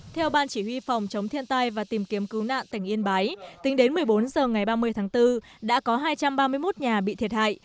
theo ban chỉ huy phòng chống thiên tai và tìm kiếm cứu nạn tỉnh yên bái tính đến một mươi bốn h ngày ba mươi tháng bốn đã có hai trăm ba mươi một nhà bị thiệt hại